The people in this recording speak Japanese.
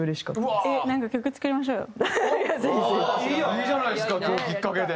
いいじゃないですか今日きっかけで。